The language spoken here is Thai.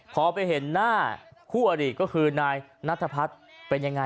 พอไปเห็นหน้าคู่อดีตก็คือนายนัทพัฒน์เป็นยังไง